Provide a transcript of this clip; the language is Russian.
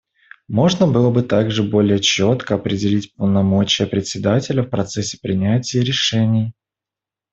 Можно было бы также более четко определить полномочия Председателя в процессе принятии решений.